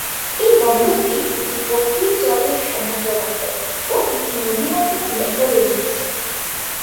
এই বন্দরটি একটি গভীর জলের সমুদ্র বন্দর ও একটি নদী বন্দর নিয়ে গড়ে উঠেছে।